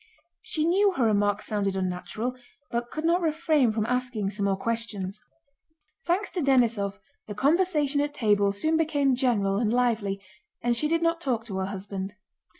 She knew her remarks sounded unnatural, but could not refrain from asking some more questions. Thanks to Denísov the conversation at table soon became general and lively, and she did not talk to her husband.